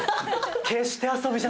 決して遊びじゃない。